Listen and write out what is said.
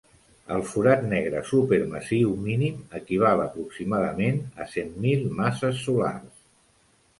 El forat negre supermassiu mínim equival aproximadament a cent mil masses solars.